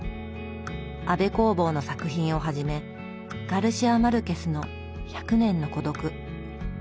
安部公房の作品をはじめガルシア・マルケスの「百年の孤独」。